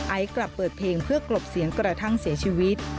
กลับเปิดเพลงเพื่อกลบเสียงกระทั่งเสียชีวิต